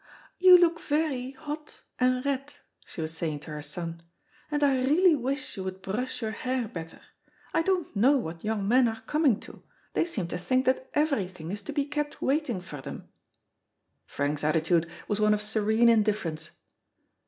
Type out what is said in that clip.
"You look very, hot and red," she was saying to her son, "and I really wish you would brush your hair better. I don't know what young men are coming to, they seem to think that everything is to be kept waiting for them." Frank's attitude was one of serene indifference.